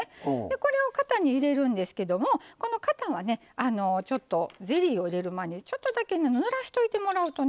これを型に入れるんですけどもこの型はちょっとゼリーを入れる前にちょっとだけぬらしておいてもらうとね。